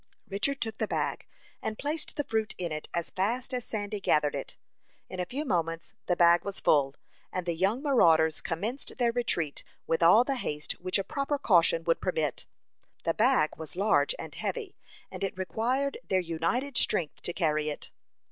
Richard took the bag, and placed the fruit in it as fast as Sandy gathered it. In a few moments the bag was full, and the young marauders commenced their retreat with all the haste which a proper caution would permit. The bag was large and heavy, and it required their united strength to carry it.